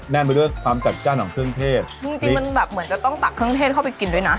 ไปด้วยความจัดจ้านของเครื่องเทศจริงจริงมันแบบเหมือนจะต้องตักเครื่องเทศเข้าไปกินด้วยนะ